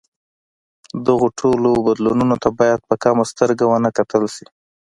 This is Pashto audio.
دغو ټولو بدلونونو ته باید په کمه سترګه ونه کتل شي.